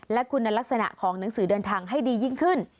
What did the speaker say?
และคุณลักษณะของหนังสือเดินทางให้ดียิ่งขึ้น